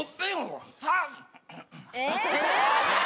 え